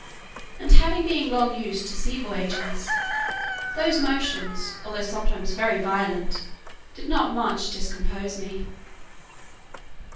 And having been long used to sea voyages, those motions, although sometimes very violent, did not much discompose me.